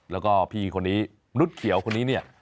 แล้วก็พี่คนนี้นุษย์เขียวคนนี้เนี่ย